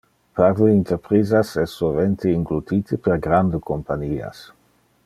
Parve interprisas es sovente inglutite per grande companias.